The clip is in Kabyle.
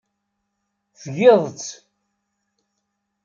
Tgiḍ-tt.